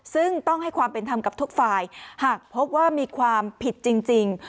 ซึ่งต้องให้ความเป็นธรรมกับทุกฝ่ายหากพบว่ามีความผิดจริง